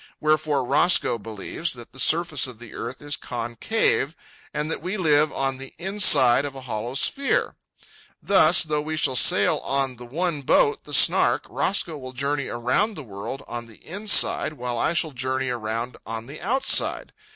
Wherefore Roscoe believes that the surface of the earth is concave and that we live on the inside of a hollow sphere. Thus, though we shall sail on the one boat, the Snark, Roscoe will journey around the world on the inside, while I shall journey around on the outside.